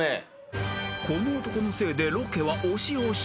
［この男のせいでロケは押し押し］